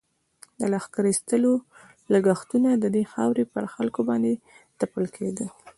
د لښکر ایستلو لږښتونه د دې خاورې پر خلکو باندې تپل کېدل.